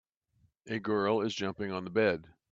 A girl is jumping on the bed.